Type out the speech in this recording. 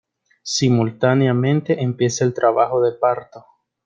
Simultáneamente empieza el trabajo de parto.